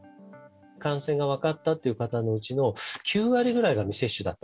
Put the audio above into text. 感染が分かったという方のうちの９割ぐらいが未接種だった。